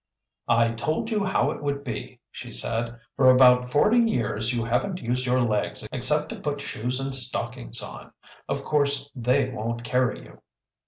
"I told you how it would be!" she said. "For about forty years you haven't used your legs except to put shoes and stockings on. Of course they won't carry you."